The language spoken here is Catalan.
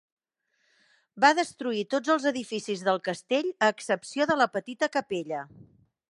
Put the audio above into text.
Va destruir tots els edificis del castell a excepció de la petita capella.